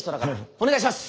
お願いします！